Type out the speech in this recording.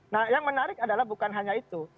nah yang menarik adalah bukan hanya itu